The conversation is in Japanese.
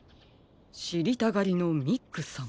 しりたがりのミックさん。